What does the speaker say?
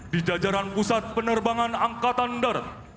di jajaran pusat penerbangan angkatan darat